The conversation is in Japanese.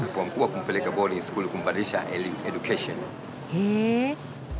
へえ。